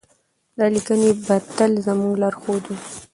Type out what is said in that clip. دا لیکنې به تل زموږ لارښود وي.